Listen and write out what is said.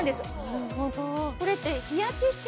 なるほど。